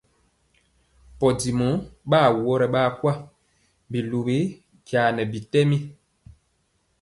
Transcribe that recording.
Podimɔ ɓa awɔrɛ ɓaa kwa, biluwi jaa nɛ bitɛm.